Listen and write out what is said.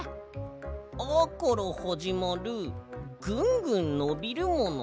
「あ」からはじまるぐんぐんのびるもの？